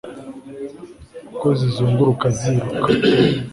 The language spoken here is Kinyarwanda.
uko zizunguruka ziruka